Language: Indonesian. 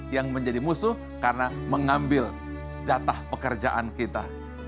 yang menjadi musuh karena mengambil jatah pekerjaan kita